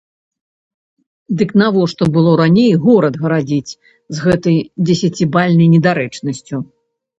Дык навошта было раней гарод гарадзіць з гэтай дзесяцібальнай недарэчнасцю?